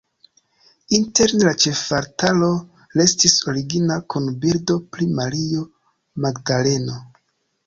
Interne la ĉefaltaro restis origina kun bildo pri Mario Magdaleno.